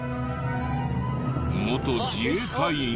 元自衛隊員に。